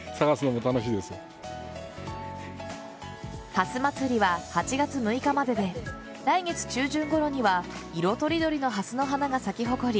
はすまつりは８月６日までで来月中旬ごろには色とりどりのハスの花が咲き誇り